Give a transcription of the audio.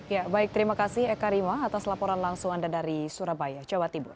ya baik terima kasih eka rima atas laporan langsung anda dari surabaya jawa timur